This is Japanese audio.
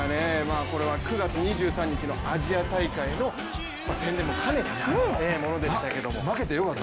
これは９月２３日のアジア大会の宣伝も兼ねた戦いでしたけども。